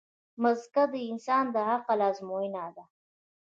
مځکه د انسان د عقل ازموینه ده.